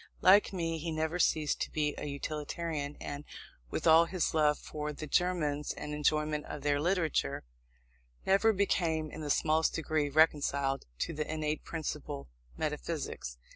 Like me, he never ceased to be a utilitarian, and, with all his love for the Germans and enjoyment of their literature, never became in the smallest degree reconciled to the innate principle metaphysics.